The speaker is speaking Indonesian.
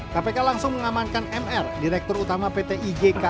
kpk langsung mengamankan mr direktur utama pt ijk